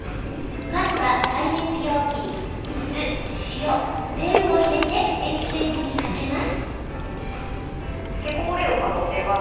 まずは、耐熱容器に水、塩、麺を入れて電子レンジにかけます。